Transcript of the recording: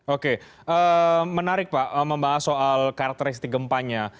oke menarik pak membahas soal karakteristik gempanya